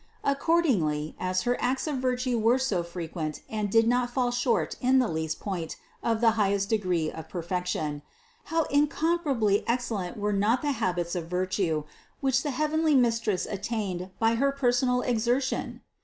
Accordingly, as her acts of virtue were so frequent and did not fall short in the least point of the highest degree of perfection, how incomparably excellent were not the habits of virtue, which the heavenly Mistress attained by her personal exertion?